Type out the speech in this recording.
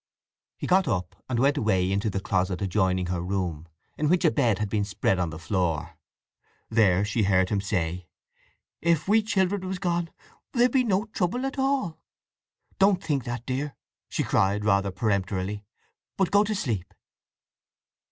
He got up, and went away into the closet adjoining her room, in which a bed had been spread on the floor. There she heard him say: "If we children was gone there'd be no trouble at all!" "Don't think that, dear," she cried, rather peremptorily. "But go to sleep!"